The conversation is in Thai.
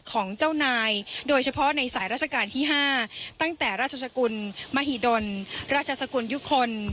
ของเจ้านายโดยเฉพาะในสายราชการที่๕ตั้งแต่ราชสกุลมหิดลราชสกุลยุคล